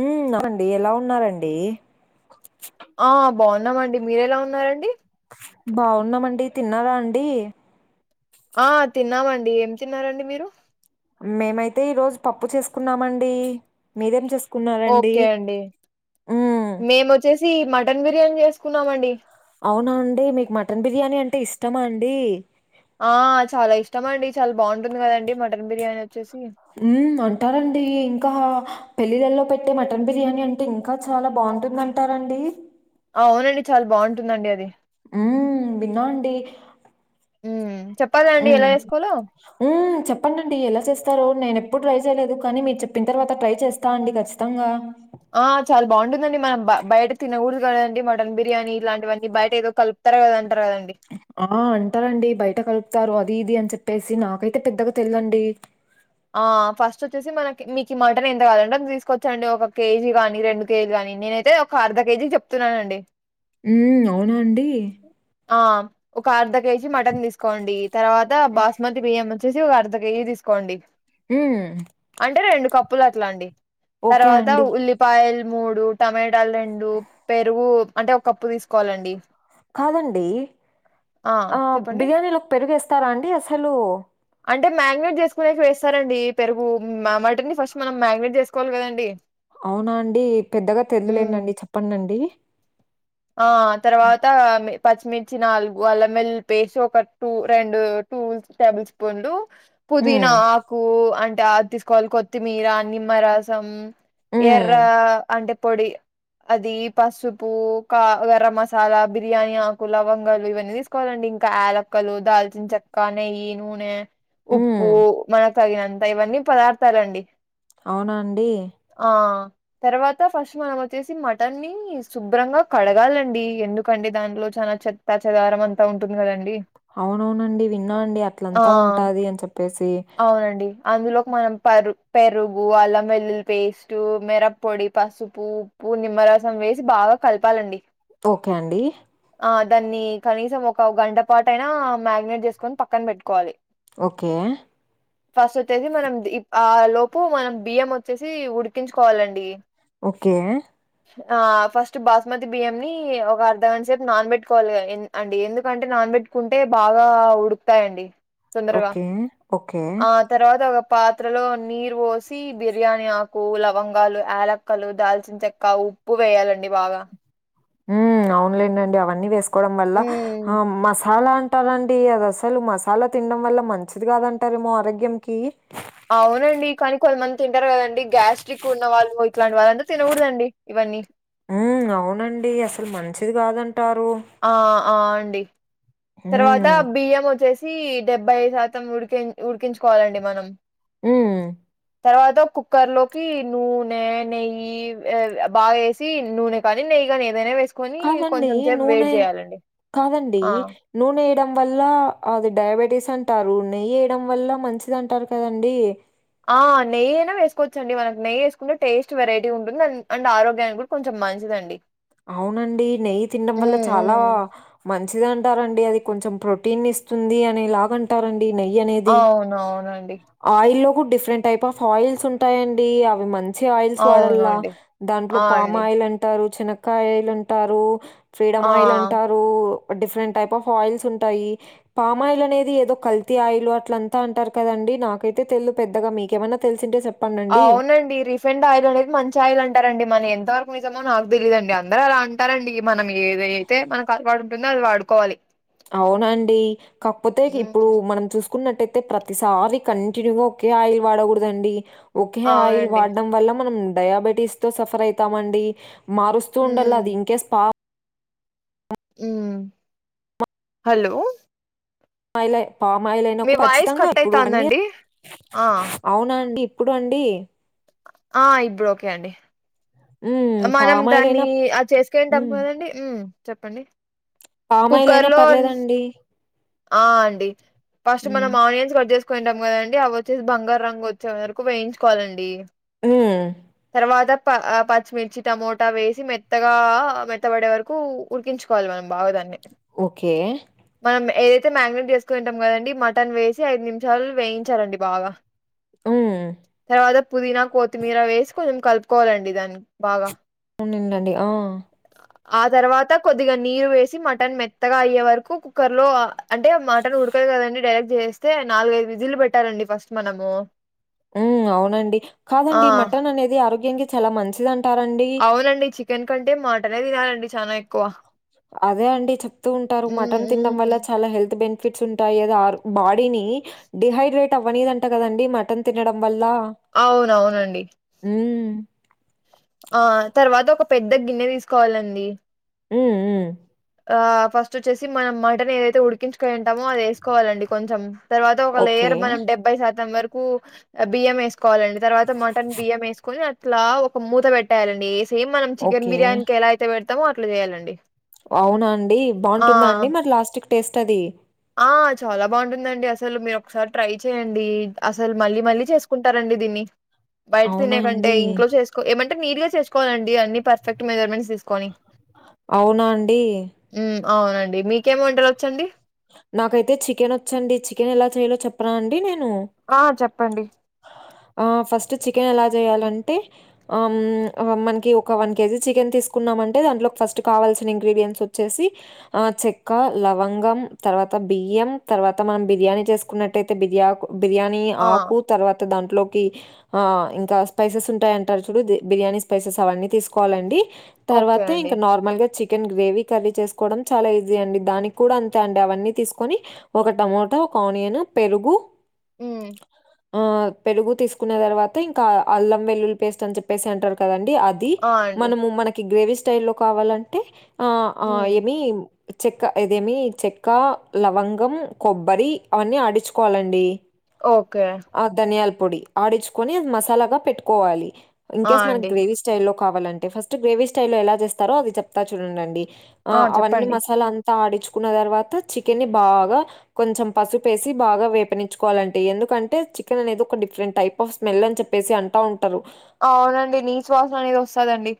మ్ అవునండి ఎలా ఉన్నారండి ఆ బాన్నామండి మీరెలా ఉన్నారండి బావున్నామండి తిన్నారా అండి ఆ తిన్నామండి ఏం తిన్నారండి మీరు మేమైతే ఈరోజు పప్పు చేసుకున్నామండి మీరేం చేసుకున్నారండి ఓకే మ్ చ్చేసి మటన్ బిర్యానీ చేసుకున్నామండి అవునా అండి మీకు మటన్ బిర్యానీ అంటే ఇష్టమా అండి ఆ చాలా ఇష్టమండి చాలా బావుంటుంది కదండి మటన్ బిర్యానీ వచ్చేసి మ్ అంటారండి ఇంకా పెళ్ళిళ్ళల్లో పెట్టే మటన్ బిర్యానీ అంటే ఇం ఇంకా చాలా బాగుంటుందంటారండి అ అవునండి చాలా బాగుంటుందండి అది మ్మ్ విన్నానండి మ్మ్ చెప్పాలండి లయ స్కూలు మ్మ్ చెప్పండండి ఎలా చేస్తారు నేనెప్పుడు ట్రై చేయలేదు కానీ మీరు చెప్పిన తర్వాత ట్రై చేస్త త్తా అండి ఖచ్చితంగా ఆ చాలా బాగుంటుందండి మనం బయట తినకూడదు కదండి మటన్ బిర్యానీ ఇలాంటివన్నీ బయట ఏదో కల్ప్ తరు కదంటారు కదండి ఆ అంటారండి బయట కలుపుతారు అది ఇది అని చెప్పేసి నాకైతే పెద్దగా తెల్దండి ఆ ఫస్ట్ వచ్చేసి మనకి మీకి మటన్ ఎంత కాదంటే అంత తీసుకొచ్చండి ఒక కేజీ కాని రెండు కేజీ గాని నేనైతే ఒక అర్ధ కేజీలు చెప్తున్నానండి మ్మ్ అవునా అండి ఆ ఒక అర్ధ కేజీ మటన్ తీసుకోండి తర్వాత బాస్మతి బియ్యం వచ్చేసి ఒక అర్ధకేజీ తీసుకోండి మ్మ్ అంటే రెండు కప్పులు అట్లా అండి ఓకే తర్వాత అండి. ఉల్లి ప్పాయలు మూడు టమాటాలు రెండు పెరుగు అంటే ఓ కప్పు తీసుకోవాలండి కాదండి ఆ బిర్యానీలోకి పెరిగేస్తారా అండి అసలు అంటే మ్యాగ్నేట్ చేసుకునేకి వేస్తారండి పెరుగు మటను ఫస్ట్ మనం మ్యాగ్నేట్ చేసుకోవాలి కదండి అవునా అండి పెద్దగా తెల్దులెండండీ చెప్పండండి ఆ తర్వాత పచ్చిమిర్చి నాలుగు అల్లంవెళ్ళుల్లి పేస్ట్ ఒక టూ రెండు టూల్స్ టేబుల్ స్పూన్లు హ్మ్. పుదీనా ఆకు అంటే తీస్ కోల కొత్తిమీర నిమ్మ రసం హ్మ్. ఎర్ర అంటే పొడి అది పసుపు క్క గరం మసాలా బిర్యానీ ఆకులు లవంగాలు ఇవన్నీ తీసుకోవాలండి ఇంకా యాలక్కలు దాల్చిన చెక్క క్క నెయ్యి నూనె హ్మ్. ఉప్పు మన తగినంత ఇవన్నీ పదార్థాలండి అవునా అండి ఆ తర్వాత ఫస్ట్ మనం వచ్చేసి మటన్నీ శుభ్రంగా కడగాలండి ఎందుకండి దాంట్లో చానా చెత్తా చెదారం అంతా ఉంటుంది కదండి అవునవునండి విన్నా అండి ఆ అట్లంతా ఉంటాది అని చెప్పేసి అవునండి అందులోకి మనం పరు పెరుగు అల్లం వెల్లులి పేస్ట్ మిరప్పోడి పసుపు ఉప్పు నిమ్మరసం వేసి బాగా కలపాలండి ఓకే అండి ఆ దాన్ని కనీసం ఒక గంటపాటయినా మాగ్నెట్ చేసుకొని పక్కన పెట్టుకోవాలి ఓకే ఫస్ట్ వచ్చేసి మనం ఆ లోపు మనం బియ్యం వచ్చేసి ఉడికించుకోవాలండి ఓకే ఆ ఫస్ట్ బాస్ బాస్మతి బియ్యం ని ఒక అర్ధగంట సేపు నాన్బెట్టుకోవాలి అండి ఎందుకంటే నానబెట్టుకుంటే బాగా ఉడుక్ తాయండి తొందరగా ఓకే. ఓకే. ఆ తర్వాత ఒక పాత్రలో నీరు పోసి బిర్యానీ ఆకు లవంగాలు యాలక్ క్కలు దాల్చిన చెక్క ఉప్పు వేయాలండి బాగా మ్మ్ అవున్లెండండి అవన్నీ వేసుకోవడం వల్ల హ్మ్. ఆ మసాలా అంటామండి అది అసలు మసాలా తినడం వల్ల మంచిది కాదంటారేమో ఆరోగ్యం కిీ అవునండి కానీ కొంత మంది తింటారుకదండీ గ్యాస్ట్రిక్ ఉన్న వాళ్ళు ఇట్లాంటి వాళ్ళంతా తినకూడదండీ ఇవన్నీ మ్మ్ అవునండి అసలు మంచిది కాదంటారు ఆ ఆ అండి తర్వాత హ్మ్. బియ్యం వచ్చేసి సీ డెబ్బై శాతం ఉడికిన్ ఉడికించుకోవాలండి మనం మ్మ్ తర్వాత కుక్కర్ లోకి నూనె నెయ్యి బాగేసి నూనె పని నెయ్యి గానీ ఏదైనా వేసుకో కాదండి నూనె కాదండి ఆ! నూనె వేయడం వల్ల అది డయాబెటీస్ అంటారు నెయ్యి వేయడం వల్ల మంచిది అంటారు కదండి ఆ నెయ్యయినా వేకోవచ్చండి మనకి నెయ్యేసుకుంటే టేస్ట్ వెరైటీగా ఉంటుంది అండ్ ఆరోగ్యానికి కూడా కొంచెం మంచిదండి అవునండి నెయ్యి తినడం వల్ల హ్మ్. చాలా హ్మ్. మంచిదంటారండి అది కొంచెం ప్రోటీన్ ఇస్తుంది అనేలాగండి అంటారండి నెయ్యి అనేది అవునవునండి. ఆయిల్ లో కూడా డిఫరెంట్ టైప్ ఆఫ్ ఆయిల్స్ ఉంటాయండి అవి మంచి మంచి ఆయిల్స్ వాడల్లా అవునండి. దాంట్లో ఆ! అండి. పామాయిల్ అంటారు చనక్కాయ ఆయిల్ అంటారు ఆ! ఫ్రీడమ్ ఆయిల్ అంటారు డిఫరెంట్ టైప్ ఆఫ్ ఆయిల్స్ ఉంటాయి పామాయిలు అనేది ఏదో కల్తీ ఆయిలు అట్లంతా అంటారు కదండి నాకైతే తెల్దు పెద్దగా మీకేమైన తెలిసింటే చెప్ అవునండి రిఫ్ ఫ్రెంట్ ఆయిల్ అనేది మంచి ఆయిల్ అంటారండి మరి ఎంత వరకు నిజమో నాకు తెలీయదండి అందరు అంటారండి మనం ఏది అయితే మనకు అలవాటుంటుంది అది వాడుకోవాలి అవునండి కాకపోతే ఇప్పుడు హ్మ్. మనం చూస్ కున్నట్టయితే ప్రతిసారి కంటిన్యూగా ఒకే ఆయిల్ వాడకూడదండి ఒకే ఆయిల్ అవునండి. వాడడం వల్ల మనం డయాబెటీస్ తో సఫర్ అయితామండి మారుస్తూ ఉండల్లా హ్మ్. అది ఇంకేస్ మ్మ్ పామాయిలే పామాయిలయినా మీ కూడా వాయిస్ ఖచ్చితంగా కట్ ఇప్పుడు వన్ ఇయర్ అయితాందండి ఆ అవునండి ఇప్పుడండి ఆ ఇబ్బుడు ఓకే అండి హ్మ్. మనం పామ్ ఆయిల్ దాన్ని అయినా ఆ చేసుకొనింటాం హ్మ్. కదండి కుక్కర్ పామాయిలయినా లో పర్లేదండి ఆ అండి ఫస్ట్ హ్మ్. మనం ఆనియన్స్ కట్ చేస్ కొనింటాం కదండి అవచ్చేసి బంగారు రంగు వచ్చే వరకు వేయించుకోవాలండి హ్మ్. తర్వాత ప పచ్చిమిర్చి టమోటా వేసి మెత్తగా మెత్తబడే వరకు ఉరికించుకోవాలి మనం బాగా దాన్ని ఓకే మనం మే ఏదైతే మ్యాగ్నెట్ చేసుకొనింటాం కదండి మటన్ వేసి ఐదు నిమిషాలు వేయించాలండి బాగా హ్మ్. తర్వాత పుదీనా కొత్తిమీర వేసి కొంచెం కలుపుకోవాలండి దానికి బాగా అవునండండి ఆ ఆ తర్వాత కొద్దిగా నీరు వేసి మటన్ మెత్తగా అయ్యే వరకు కుక్కర్ లో ఆ అంటే మటను ఉడకదు కదండి డైరెక్ట్ చేస్తే నాలుగైదు విజిల్లు పెట్టాలండి ఫస్ట్ మనము మ్మ్ అవునండి ఆ కాదండి మటన్ అనేది ఆరోగ్యానికి చాలా మంచిదండి అవునండి చికెన్ కంటే మటనే తినాలండి చాలా ఎక్కువ అదే అండి చెప్తూ ఉంటారు హ్మ్ మటన్ తినడం హ్మ్ వల్ల చాలా హెల్త్ బెనిఫ ఫిట్స్ ఉంటాయి అదా ఆ బాడీని డిహైడ్రేట్ అవ్వనిదంట కదండి మటన్ తినడం వల్ల అవునవునండి మ్మ్ ఆ తర్వాత ఒక పెద్ద గిన్నె తీసుకోవాలండి మ్మ్ మ్మ్ ఆ ఫస్ట్ వచ్చేసి మనం మటన్ ఏదైతే ఉడికించుకోనింటామో అది వేసుకోవాలండి కొంచెం తర్వాత ఒక ఓకే. లేయర్ మనం డెబ్బై శాతం వరకు బియ్యం వేస్ వేసుకోవాలండి తర్వాత మటన్ బియ్యం వేసుకొని అట్లా ఒక మూత పెట్టే ఏస్ సేమ్ మనం చికెన్ ఓకే. బిర్యానీకి ఎలా అయితే పెడతామో అట్లా వేయాలండి అవునండి బాగుంటుందా అండి మరి లాస్ట్కి టేస్ట్ అది ఆ చాలా బాగుంటుందండి అసలు మీరు ఒకసారి ట్రై చేయండి అసలు మళ్ళీ మళ్ళీ చేసుకుంటారండి దీన్ని బయట అవునా తినే కంటే అండి? ఇంట్లో చేసుకో ఏమంటే నీట్ గా చేసుకోవాలండి అన్ని పర్ఫెక్ట్ మెజర్మెంట్స్ తీస్ అవునా అండి మ్మ్ అవునండి మీకేం వంటలచ్చండి నాకైతే చికెన్ వచ్చండి చికెన్ ఎలా చేయాలో చెప్పనా అండి నేను ఆ చెప్పండి ఆ ఫస్ట్ చికెన్ ఎలా చేయాలంటే అమ్ మనకి ఒక వన్ కేజీ చికెన్ తీసుకున్నామంటే దాంట్లోకి ఫస్ట్ కావాల్సిన ఇంగ్రీడియంట్స్ వచ్చేసి ఆ చెక్క లవంగం తర్వాత బియ్యం తర్వాత మనం బిర్యానీ చేసుకున్నట్టయితే బిర్యాకు బిర్యానీ ఆ! ఆకు తర్వాత దాంట్లోకి ఆ ఇంకా స్పైసెస్ ఉంటాయంటారు చూడు బిర్యానీ స్పైసెస్ అవన్నీ తీసుకోవాలండి ఓకే తర్వాత అండి. ఇంకా నార్మల్ గా చికెన్ గ్రేవీ కర్రీ చేసుకోవడం చాలా ఈజీ అండి దానికి కూడా అంతే అంటే అవన్నీ తీసుకొని ఒక టమోటా ఒక ఆనియన్ పెరుగు హ్మ్ ఆ పెరుగు తీసుకున్న తర్వాత ఇంకా అల్లం వెల్లుల్లి పేస్ట్ అని చెప్పేసి అంటారు కదండి అ ది ఆ అండి మనము మనకి గ్రేవీ స్టైల్ లో కావాలంటే ఆ ఆ హ్మ్ ఏమి చెక్క ఇదేమి చెక్ ఇక్క లవంగం కొబ్బరి అవన్నీ ఆడిచ్చుకోవాలండి కో ఓకే ఆ ధనియాల పొడి ఆడిచ్చుకొని మసాలాగా పెట్టుకోవాలి ఆ ఇన్కేస్ మనకి అండి గ్రేవీ స్టైల్లో కావాలంటే ఫస్ట్ గ్రేవీ స్టైల్లో ఎలా చేస్తారో అది చెప్తా చూడండండి ఆ అవన్నీ మసాలా అంతా ఆడిచ్చుకున్న తర్వాత చికెన్ని బాగా కొంచెం పసుపేసి బాగా వేపనిచ్చుకోవాలంటే ఎందుకంటే చికెన్ అనేది ఒక డిఫరెంట్ టైప్ స్మెల్ అని చెప్పేసి అంటా ఉంటారు అవునండి నీచు వాసన అనేది వస్తాదండి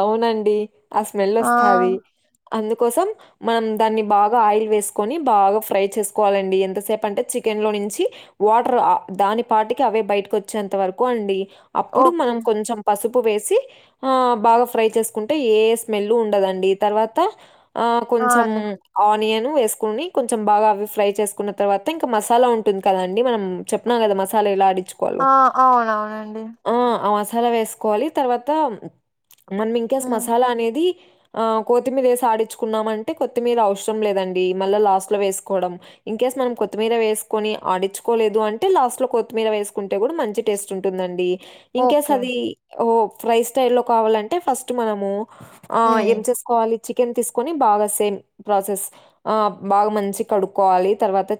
అవునండి ఆ స్మెల్ ఆ వస్తాది అందుకోసం మనం దాన్ని బాగా ఆయిల్ వేసుకొని బాగా ఫ్రై చేసుకోవాలండి ఎంతసేపు అంటే చికెన్లో నుంచి వాటర్ దాని పాటికి అవే బయటకు వచ్చేంత వరకు అండి అప్పుడు ఓకే మనం కొంచెం పసుపు వేసి ఆ బాగా ఫ్రై చేసుకుంటే ఏ స్మెల్ ఉండదండి తర్వాత ఆ కొంచెం ఆనియన్ వేసుకుని కొంచెం బాగా అవి ఫ్రై చేసుకున్న తర్వాత ఇంకా మసాలా ఉంటుంది కదండి మనం చెప్పినా గదా మసాలా ఎలా ఆడిచ్ ఆ అవునవునండి ఆ ఆ మసాలా వేసుకోవాలి తర్వాత మనం ఇంకా హ్మ్ మసాలా అనేది ఆ కొత్తిమీర ఏసి ఆడించుకున్నామంటే కొత్తిమీర అవసరం లేదండి మళ్ళీ లాస్ట్ లో వేసుకోవడం ఇన్కేస్ మనం కొత్తిమీర వేసుకొని ఆడించుకోలేదు అంటే లాస్ట్ లో కొత్తిమీర వేసుకుంటే కూడా మంచి టేస్ట్ ఉంటుందండి ఇంకేస్ ఓకే అది ఓ ఫ్రై స్టైల్ లో కావాలంటే ఫస్ట్ మనము ఆ హ్మ్ ఏం చేసుకోవాలి చికెన్ తీసుకొని బాగా సేమ్ ప్రాసెస్ ఆ బాగా మంచి కడుక్కోవాలి తర్వాత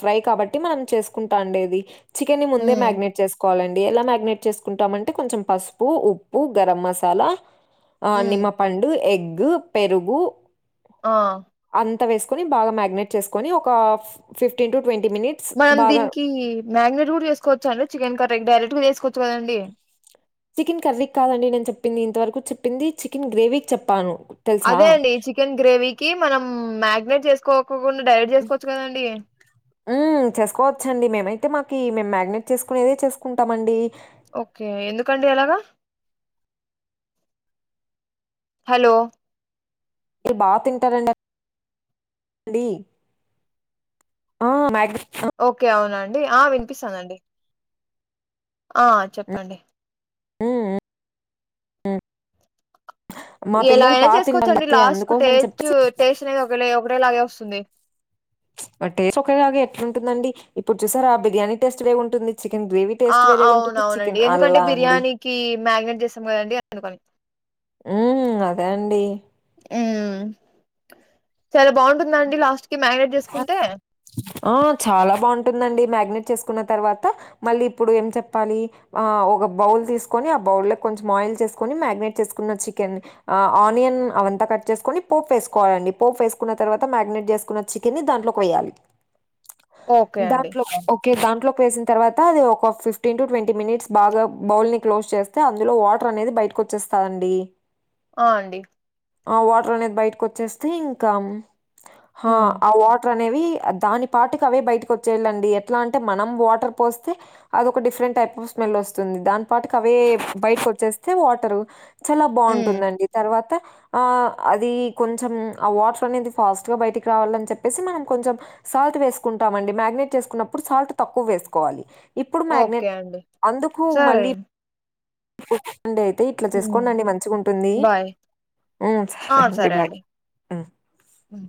ఫ్రై కాబట్టి మనం చేసుకుంటా అండేది చికెన్ని ముందే హ్మ్ మ్యాగ్నేట్ చేసుకో వాలండి ఎలా మ్యాగ్నేట్ చేసుకుంటామంటే కొంచెం పసుపు ఉప్పు గరం మసాలా ఆ హ్మ్ నిమ్మపండు ఎగ్ పెరుగు ఆ అంత వేసుకొని బాగా మ్యాగ్నేట్ చేసుకొని ఒక ఫిఫ్టీన్ టు ట్వంటీ మినిట్ మనం దీనికి మ్యాగ్నెట్ కూడా చేసుకోవచ్చు అండి చికెన్ కర్రీకి డైరెక్ట్గా వేసుకోవచ్చు కదండి చికెన్ కర్రీకి కాదండి నేను చెప్పింది ఇంతవరకు చెప్పింది చికెన్ గ్రేవీకి చెప్పాను తెలుసా? అదే అండి చికెన్ గ్రేవీకిి మనం మ్యాగ్నేట్ చేసుకోకుండా డైరెక్ట్ చేసుకోవచ్చు కదండి ఆ చేసుకోవచ్చండి మేమైతే మాకి మేము మ్యాగ్నేట్ చేసుకుని చేసుకుంటామండి ఓకే ఎందుకండి అలాగా హలో మీరు బాగా తింటారండి ఆ మ్యాగ్నేట్ ఓకే అవునా అండి ఆ వినిపిస్తుదండి ఆ చెప్పండి ఉమ్ ఉమ్ ఎలా అయినా బా తింటారండి చేసుకోవచ్చండి అయితే లాస్ట్ కు అందుకోసం అని చెప్పి టేస్ట్ టేస్ట్ అనేది ఒక ఒకటే లాగే వస్తుంది టేస్ట్ ఒకేలాగా ఎట్ల ఉంటుందండి ఇప్పుడు చూసారా ఆ బిర్యానీ టేస్ట్ వేరు ఉంటుంది చికెన్ గ్రేవీ ఆ టేస్ట్ వేరే అవును ఉంటుంది. అవునండి చికెన్ ఎందుకంటే అల్లా అండి. బిర్యానీకి మ్యాగ్నేట్ చేస్తాం కదండి అందుకని ఉమ్ అదే అండి ఉమ్ చాలా బాగుంటుందండి లాస్ట్ కి మ్యాగ్నేట్ చేసుకుంటే ఆ చాలా బాగుంటుందండి మ్యాగ్నేట్ చేసుకున్న తర్వాత మళ్ళీ ఇప్పుడు ఏం చెప్పాలి ఆ ఒక బౌల్ తీసుకొని ఆ బౌల్ లో కొంచెం ఆయిల్ చేసుకొని మ్యగ్నేట్ చేసుకున్న చికెన్ ఆ ఆనియన్ అవంతా కట్ చేసుకొని పోపు వేసుకోవాలండి పోపు వేసుకున్న తర్వాత మ్యాగ్నేట్ చేసుకున్న చికెన్ని దాంట్లోకి వేయాలి ఓకే అండి దాంట్లో ఓకే దాంట్లో వేసిన తర్వాత అది ఒక ఫిఫ్టీన్ టు ట్వంటీ మినిట్స్ బాగా బౌల్ని క్లోజ్ చేస్ తే అందులో వాటర్ అనేది బయటకు వచ్చేస్తాయండి ఆ అండి ఆ వాటర్ అనేది బయటకు వచ్చేస్తే ఇంకా మ్మ్ ఆ వాటర్ అనే అనేవి దాని పాటుకి అవే బయటకి వచ్చేయళ్ళండి ఎట్లా అంటే మనం వాటర్ పోస్తే అది ఒక డిఫరెంట్ టైప్ ఆఫ్ స్మెల్ వస్తుంది దానిపాటుకి అవే బయటకు వచ్చేస్తే వాటర్ చాలా మ్మ్ బాగుంటుందండి తర్వాత ఆ అది కొంచెం ఆ వాటర్ అనేది ఫాస్ట్గా బయటికి రావాలని చెప్పేసి మనం కొంచెం సాల్ట్ వేసుకుంటామండి మ్యాగ్నేట్ చేసుకున్నప్పుడు సాల్ట్ తక్కువ వేసుకోవాలి ఇప్పుడు ఓకే మ్యాగ్నేట్ అండి అందుకు సరే మళ్ళీ అండి అండి అయితే ఇట్లా మ్మ్ చేసుకోండండి మంచిగా ఉంటుంది బాయ్ ఆ సరే బాయ్ హ్మ్. ఉమ్